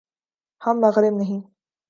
ہم مغرب نہیں۔